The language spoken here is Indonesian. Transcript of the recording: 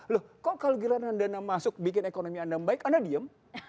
loh kok kalau gilaan dana masuk bikin ekonomi anda baik anda diem